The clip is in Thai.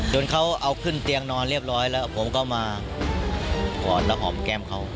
จนเขาเอาขึ้นเตียงนอนเรียบร้อยแล้วผมก็มากอดแล้วหอมแก้มเขา